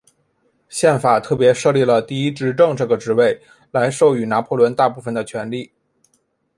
宪法特别设立了第一执政这个职位来授予拿破仑大部分的权力。